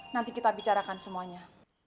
nanti kita bicarakan semuanya